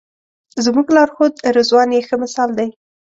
زموږ لارښود رضوان یې ښه مثال دی.